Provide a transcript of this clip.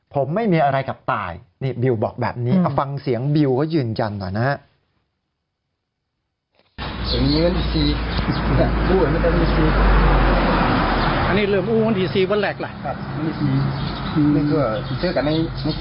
ผมไม่มีอะไรกับตายนี่บิวบอกแบบนี้เอาฟังเสียงบิวเขายืนยันหน่อยนะฮะ